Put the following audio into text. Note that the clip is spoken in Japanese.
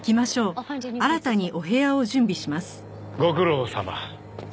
ご苦労さま。